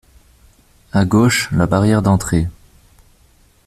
A gauche, la barrière d'entrée.